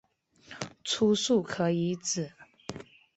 初速可以指